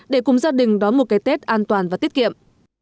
để cùng gia đình đón một cái tết an toàn và tiết kiệm